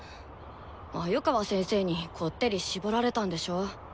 鮎川先生にこってりしぼられたんでしょ？